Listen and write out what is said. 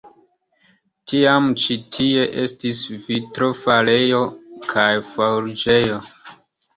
Tiam ĉi tie estis vitrofarejo kaj forĝejo.